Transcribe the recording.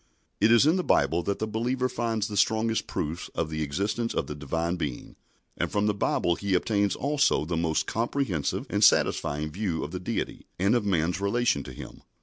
It is in the Bible that the believer finds the strongest proofs of the existence of the Divine Being, and from the Bible he obtains also the most comprehensive and satisfying view of the Deity and of man's relation to Him.